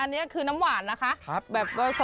อันนี้คือน้ำหวานนะคะ